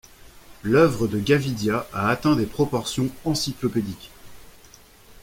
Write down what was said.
L’œuvre de Gavidia a atteint des proportions encyclopédiques.